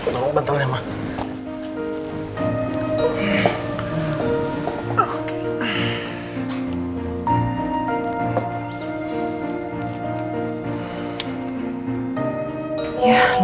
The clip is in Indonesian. tolong bantul ya ma